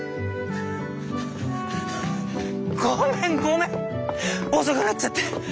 ごめんごめん遅くなっちゃって。